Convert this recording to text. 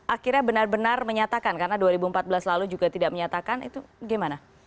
akhirnya benar benar menyatakan karena dua ribu empat belas lalu juga tidak menyatakan itu bagaimana